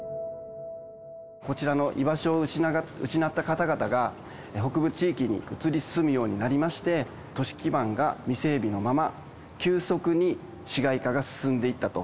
こちらの居場所を失った方々が、北部地域に移り住むようになりまして、都市基盤が未整備のまま、急速に市街化が進んでいったと。